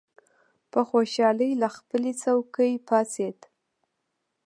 په خوشالۍ له خپلې څوکۍ پاڅېد.